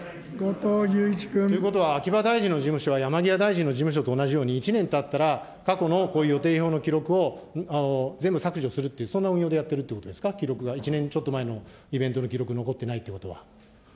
ということは、秋葉大臣の事務所は、山際大臣の事務所と同じように、１年たったら過去のこういう予定表の記録を全部削除するという、そんな運用でやってるということですか、記録が、１年ちょっと前のイベントの記録残ってないということは。